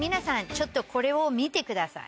ちょっとこれを見てください。